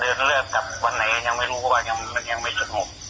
เดินเลือกกลับวันไหนยังไม่รู้ว่ายังไม่สุดหมด